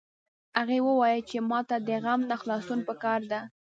هغې وویل چې ما ته د غم نه خلاصون په کار ده